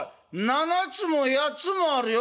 ７つも８つもあるよ